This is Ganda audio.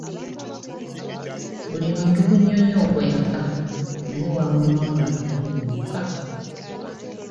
Buli muntu ku nnyonyi okwo yafa naye waawonawo abantu babiri bokka.